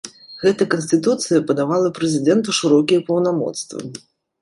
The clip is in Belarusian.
Гэта канстытуцыя падавала прэзідэнту шырокія паўнамоцтвы.